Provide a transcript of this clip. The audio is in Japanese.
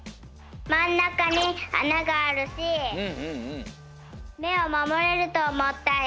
まんなかにあながあるしめをまもれるとおもったよ。